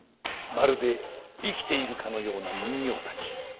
まるで生きているかのような人形たち。